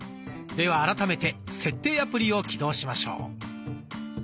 では改めて「設定」アプリを起動しましょう。